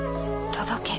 届け。